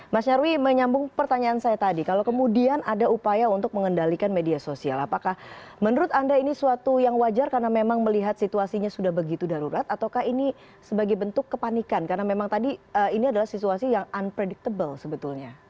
mas nyarwi menyambung pertanyaan saya tadi kalau kemudian ada upaya untuk mengendalikan media sosial apakah menurut anda ini suatu yang wajar karena memang melihat situasinya sudah begitu darurat ataukah ini sebagai bentuk kepanikan karena memang tadi ini adalah situasi yang unpredictable sebetulnya